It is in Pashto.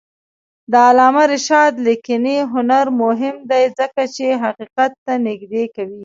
د علامه رشاد لیکنی هنر مهم دی ځکه چې حقیقت ته نږدې کوي.